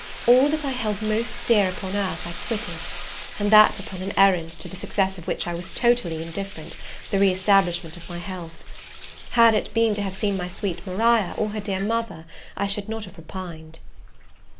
All that I held most dear upon earth I quitted; and that upon an errand, to the success of which I was totally indifferent, the re establishment of my health. Had it been to have seen my sweet Maria, or her dear mother, I should not have repined.